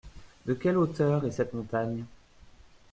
De quel hauteur est cette montagne ?